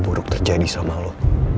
apa buruk terjadi sama lo